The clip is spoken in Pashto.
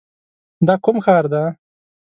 دا کوم ښار دی؟